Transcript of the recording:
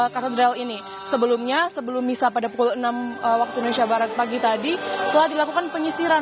mersi dan juga saudara